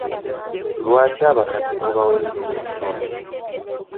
Lwaki abakadde mubawa emmere ntono?